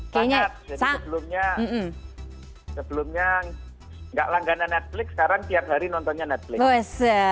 sangat jadi sebelumnya sebelumnya nggak langganan netflix sekarang tiap hari nontonnya netflix